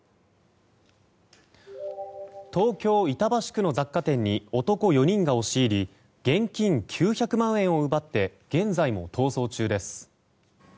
東京・板橋区の雑貨店に男４人が押し入り現金９００万円を奪って現在も逃走中です。